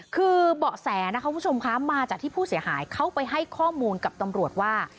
คือเบาะแสนะคะคุณผู้ชมคะมาจากที่ผู้เสียหายเขาไปให้ข้อมูลกับตำรวจว่า